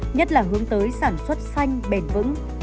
nhất là hướng tới sản xuất xanh bền vững